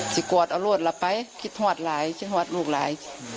จะปล่าวเอาลูกหลับไปขิดหอดหลายคิดหอดลูกหลาย